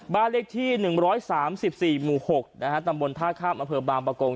บ้านเลขที่๑๓๔หมู่๖ตำบลท่าข้ามอำเภอบางประกง